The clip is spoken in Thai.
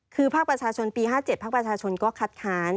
คือภาคประชาชนปี๕๗ภาคประชาชนก็คัดค้าน